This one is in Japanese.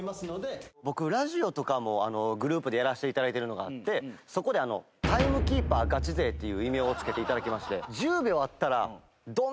僕ラジオとかもグループでやらせて頂いてるのがあってそこでタイムキーパーガチ勢っていう異名を付けて頂きまして。